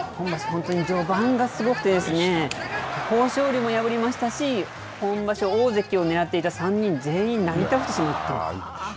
本当に序盤がすごくて、豊昇龍も破りましたし、今場所、大関をねらっていた３人全員をなぎ倒してしまった。